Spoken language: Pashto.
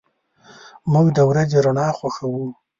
موږ د ورځې رڼا خوښو.